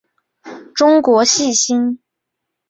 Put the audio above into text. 中国细辛